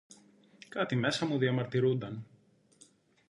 Κάτι μέσα μου διαμαρτυρούνταν.